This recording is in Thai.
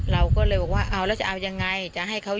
เค้าพูดภาษาบ้านเราว่า